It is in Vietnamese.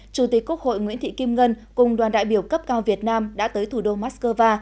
chủ tịch quốc hội nguyễn thị kim ngân cùng đoàn đại biểu cấp cao việt nam đã tới thủ đô moscow